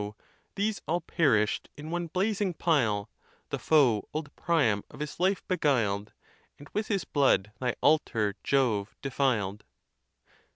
these all perish'd in one blazing pile; The foe old Priam of his life beguiled, And with his blood, thy altar, Jove, defiled.